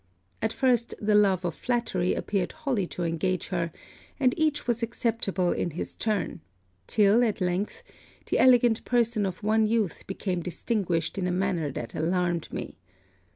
At first the love of flattery appeared wholly to engage her and each was acceptable in his turn; till, at length, the elegant person of one youth became distinguished in a manner that alarmed me.